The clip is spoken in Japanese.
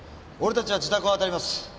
俺たちは自宅を当たります。